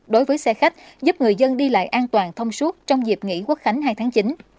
đối với xe khách giúp người dân đi lại an toàn thông suốt trong dịp nghỉ quốc khánh hai tháng chín